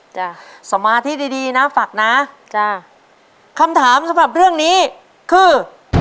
จ้ะสมาธิดีดีนะฝากนะจ้ะคำถามสำหรับเรื่องนี้คือ